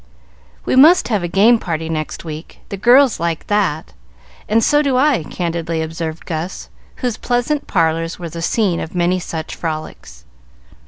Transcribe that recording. "We must have a game party next week. The girls like that, and so do I," candidly observed Gus, whose pleasant parlors were the scene of many such frolics.